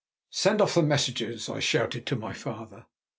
"Send off the messengers," I shouted to my father.